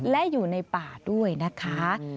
และอยู่ในป่าด้วยนะคะ